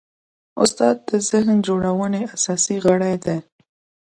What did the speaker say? استاد د ذهن جوړونې اساسي غړی دی.